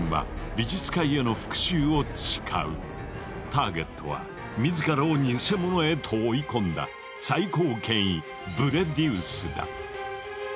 ターゲットは自らをニセモノへと追い込んだ最高権威ブレディウスだ。